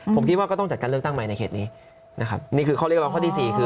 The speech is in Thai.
ผมคิดว่าก็ต้องจัดการเลือกตั้งใหม่ในเขตนี้นะครับนี่คือข้อเรียกร้องข้อที่สี่คือ